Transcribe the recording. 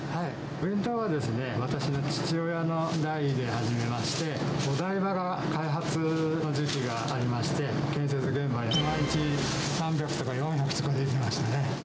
弁当はですね、私の父親の代で始めまして、お台場が開発の時期がありまして、建設現場に毎日、３００とか４００とか出てましたね。